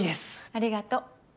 ありがとう。